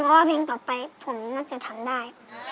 เพราะว่าเพลงต่อไปผมน่าจะทำได้